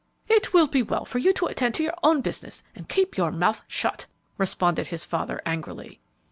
"It will be well for you to attend to your own business and keep your mouth shut!" responded his father, angrily.